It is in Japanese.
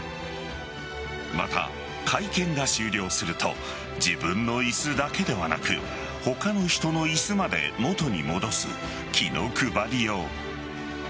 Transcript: また、会見が終了すると自分の椅子だけではなく他の人の椅子まで元に戻す気の配りよう。